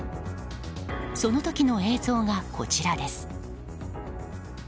その時の映像がこちらです。